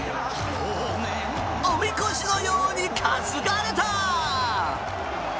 おみこしのように担がれた！